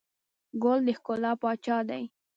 ګل د ښکلا پاچا دی.